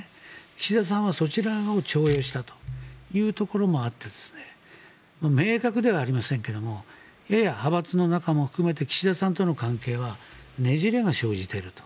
岸田さんはそちらを重用したというところもあって明確ではありませんがやや派閥の中も含めて岸田さんとの関係はねじれが生じていると。